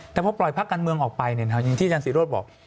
แต่พอปล่อยพักการเมืองออกไปอย่างที่อาจารศิโรธบอก